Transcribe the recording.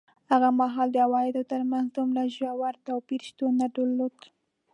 هغه مهال د عوایدو ترمنځ دومره ژور توپیر شتون نه درلود.